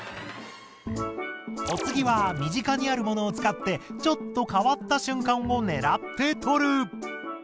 お次は身近にあるモノを使ってちょっと変わった瞬間を狙って撮る！